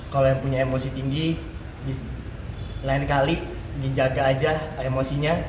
kalau yang punya emosi tinggi lain kali dijaga aja emosinya